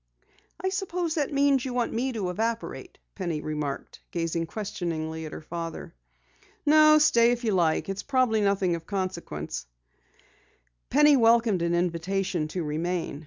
"I suppose that means you want me to evaporate," Penny remarked, gazing questioningly at her father. "No, stay if you like. It's probably nothing of consequence." Penny welcomed an invitation to remain.